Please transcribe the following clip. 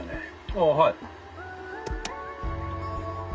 「ああはい」。